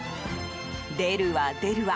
出るわ、出るわ。